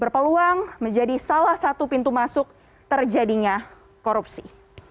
berpeluang menjadi salah satu pintu masuk terjadinya korupsi